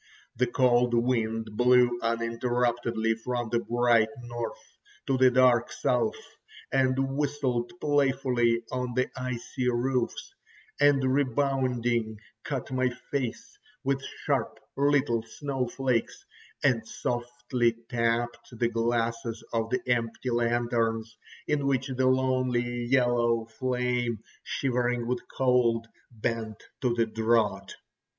The cold wind blew uninterruptedly from the bright north to the dark south, and whistled playfully on the icy roofs, and rebounding cut my face with sharp little snow flakes, and softly tapped the glasses of the empty lanterns, in which the lonely yellow flame, shivering with cold, bent to the draught.